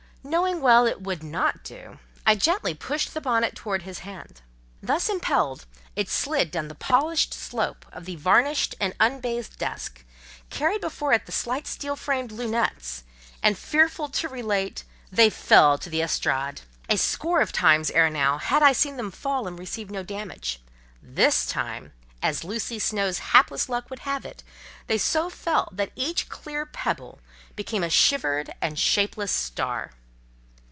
Knowing well it would not do, I gently pushed the bonnet towards his hand. Thus impelled, it slid down the polished slope of the varnished and unbaized desk, carried before it the light steel framed "lunettes," and, fearful to relate, they fell to the estrade. A score of times ere now had I seen them fall and receive no damage—this time, as Lucy Snowe's hapless luck would have it, they so fell that each clear pebble became a shivered and shapeless star.